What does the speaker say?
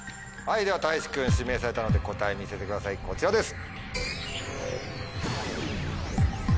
ではたいし君指名されたので答え見せてくださいこちらです。